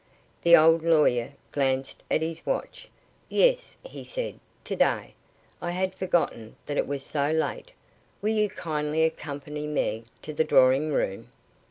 The old lawyer glanced at his watch. "Yes," he said, "to day. I had forgotten that it was so late. Will you kindly accompany me to the drawing room?"